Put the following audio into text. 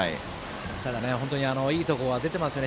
ただ、本当にいいところが出ていますよね。